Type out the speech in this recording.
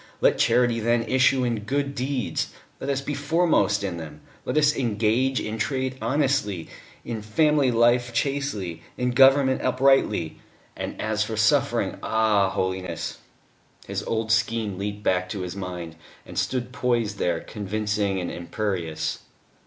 Let charity then issue in good deeds. Let us be foremost in them; let us engage in trade honestly, in family life chastely, in government uprightly. And as for suffering ah! Holiness!" His old scheme leaped back to his mind, and stood poised there convincing and imperious.